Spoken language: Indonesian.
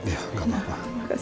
ya gak apa apa